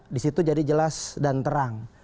di situ jadi jelas dan terang